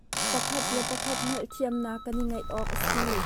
Pakhat le pakhat hngalhthiamnak kan i ngeih awk a si.